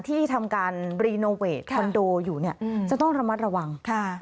ที่ทำการรีโนเวทคอนโดอยู่เนี่ยจะต้องระมัดระวัง